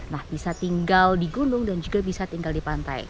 nah bisa tinggal di gunung dan juga bisa tinggal di pantai